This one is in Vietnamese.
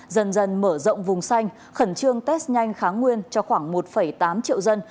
dần dần mở rộng vùng xanh khẩn trương test nhanh kháng nguyên cho khoảng một tám triệu dân